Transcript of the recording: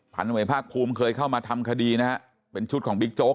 พันธวัยภาคภูมิเคยเข้ามาทำคดีนะฮะเป็นชุดของบิ๊กโจ๊ก